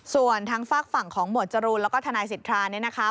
ส่วนทางฝากฝั่งของหมวดจรูนแล้วก็ทนายสิทธาเนี่ยนะคะ